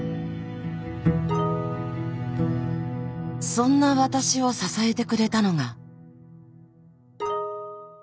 そんな私を支えてくれたのが。